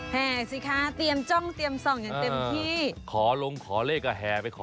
ที่ไหนที่มีเลขสวย